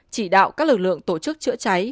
chỉ đạo các lực lượng tổ chức chữa cháy